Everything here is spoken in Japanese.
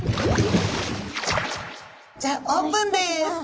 じゃあオープンです。